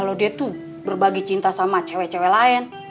kalau dia tuh berbagi cinta sama cewek cewek lain